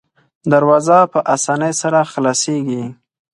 دروازه په اسانۍ سره خلاصیږي.